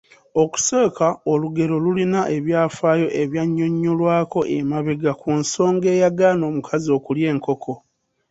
Okusooka olugero lulina ebyafaayo ebyannyonnyolwako emabega ku nsonga eyagaana omukazi okulya enkoko.